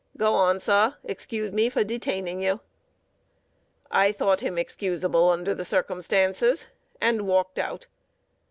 Go on, sir; excuse me for detaining you." I thought him excusable under the circumstances, and walked out.